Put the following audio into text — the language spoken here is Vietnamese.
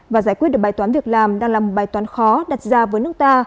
và giải quyết được bài toán việc làm đang là một bài toán khó đặt ra với nước ta